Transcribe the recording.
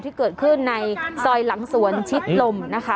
ที่เกิดขึ้นในซอยหลังสวนชิดลมนะคะ